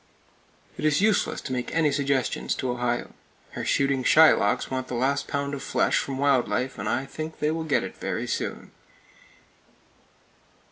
It is useless to make any suggestions to Ohio. Her shooting Shylocks want the last pound of flesh from wild life, and I think they will get it very soon.